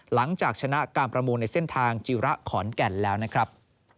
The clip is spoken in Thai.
หลังจากชนะการประมูลในเส้นทางจิระขอนแก่นแล้วนะครับ